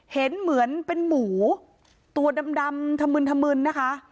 เห็นเหมือนเป็นหมูตัวดำถมึนธมึนนะคะ